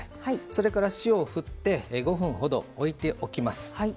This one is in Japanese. それから塩を振って５分ほどおいておきます。